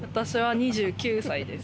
２９歳です。